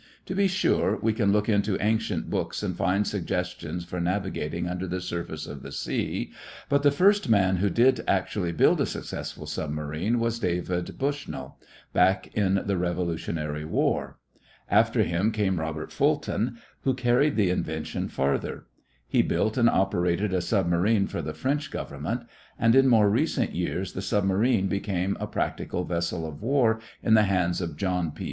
To be sure, we can look into ancient books and find suggestions for navigating under the surface of the sea, but the first man who did actually build a successful submarine was David Bushnell, back in the Revolutionary War. After him came Robert Fulton, who carried the invention farther. He built and operated a submarine for the French Government, and, in more recent years, the submarine became a practical vessel of war in the hands of John P.